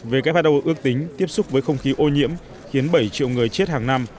who ước tính tiếp xúc với không khí ô nhiễm khiến bảy triệu người chết hàng năm